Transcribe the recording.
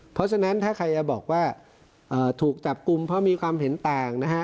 เพราะฉะนั้นถ้าใครจะบอกว่าถูกจับกลุ่มเพราะมีความเห็นต่างนะฮะ